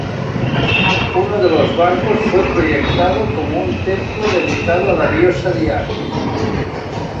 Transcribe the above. Uno de los barcos fue proyectado como un templo dedicado a la diosa Diana.